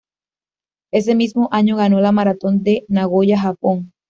Ese mismo año ganó la maratón de Nagoya, Japón.